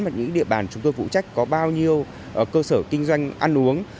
mà những địa bàn chúng tôi phụ trách có bao nhiêu cơ sở kinh doanh ăn uống